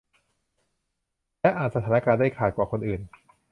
และอ่านสถานการณ์ได้ขาดกว่าคนอื่น